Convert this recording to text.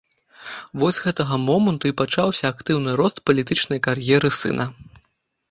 Вось з гэтага моманту і пачаўся актыўны рост палітычнай кар'еры сына.